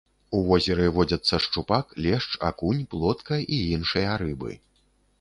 У возеры водзяцца шчупак, лешч, акунь, плотка і іншыя рыбы.